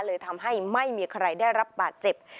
เลยทำให้ไม่มีใครได้รับบาดเจ็บ